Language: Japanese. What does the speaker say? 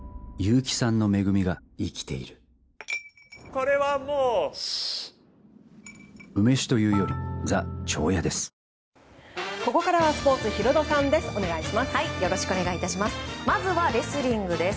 ここからはスポーツヒロドさんです。